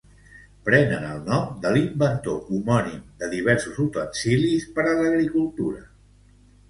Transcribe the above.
Prenen el nom de l'inventor homònim de diversos utensilis per a l'agricultura.